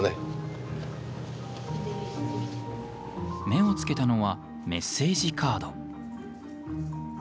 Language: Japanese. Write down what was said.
目を付けたのはメッセージカード。